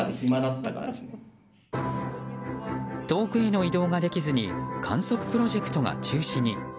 遠くへの移動ができずに観測プロジェクトが中止に。